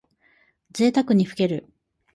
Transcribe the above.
ぜいたくにふける。